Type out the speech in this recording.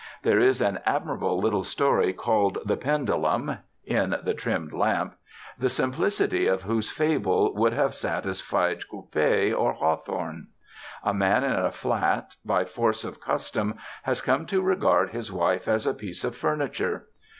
There is an admirable little story called the "Pendulum" (in the "Trimmed Lamp"), the simplicity of whose fable would have satisfied Coppée or Hawthorne. A man in a flat, by force of custom, has come to regard his wife as a piece of furniture.